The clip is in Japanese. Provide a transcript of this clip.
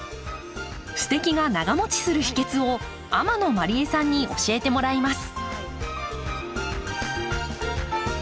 すてきが長もちする秘訣を天野麻里絵さんに教えてもらいます。